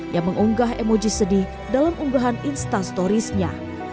yang mengunggah emoji sedih dalam unggahan instastorisnya